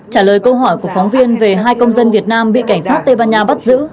trả lời câu hỏi của phóng viên về hai công dân việt nam bị cảnh sát tây ban nha bắt giữ